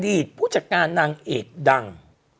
ผู้จัดการนางเอกดัง